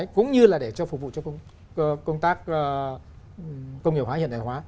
cũng như là để phục vụ cho công tác công nghiệp hóa